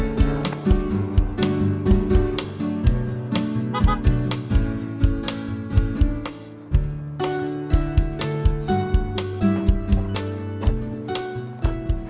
gue gak mau kerja sama sama cowok cowok